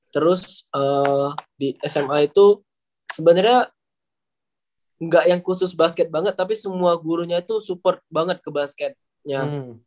terus di sma itu sebenarnya nggak yang khusus basket banget tapi semua gurunya itu support banget ke basketnya